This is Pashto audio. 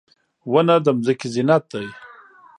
• ونه د ځمکې زینت دی.